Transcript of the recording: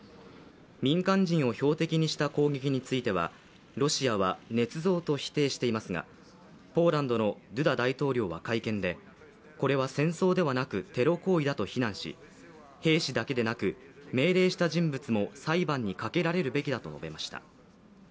民間人を標的にした攻撃についてはロシアはねつ造と否定していますが、ポーランドのドゥダ大統領は会見でこれは戦争ではなくテロ行為だと非難し、兵士だけでなく命令した人物も裁判にかけられるべきだと述べました。